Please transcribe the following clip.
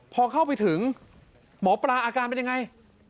พอเข้าไปถึงหมอปลาอาการเป็นยังไง